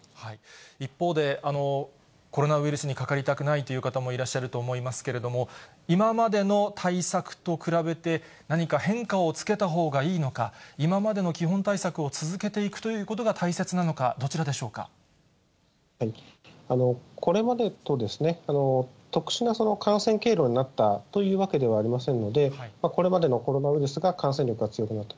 一方で、コロナウイルスにかかりたくないという人もいらっしゃると思いますけれども、今までの対策と比べて、何か変化をつけたほうがいいのか、今までの基本対策を続けていくということが大切なのか、どちらでこれまでとですね、特殊な感染経路になったというわけではありませんので、これまでのコロナウイルスが感染力が強くなったと。